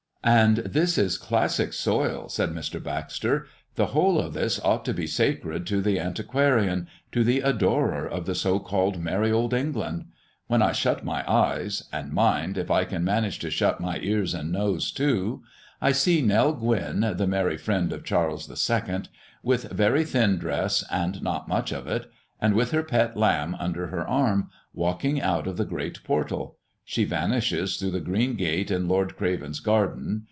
"And this is classic soil," said Mr. Baxter. "The whole of this ought to be sacred to the antiquarian, to the adorer of the so called merry old England. When I shut my eyes and mind, if I can manage to shut my ears and nose too I see Nell Gwynn, the merry friend of Charles II., with very thin dress, and not much of it, and with her pet lamb under her arm, walking out of the great portal; she vanishes through the green gate in Lord Craven's garden.